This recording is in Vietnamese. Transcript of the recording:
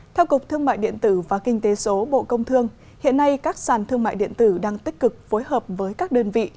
theo cục thương mại điện tử và kinh tế số bộ công thương hiện nay các sàn thương mại điện tử đang tích cực phối hợp với các đơn vị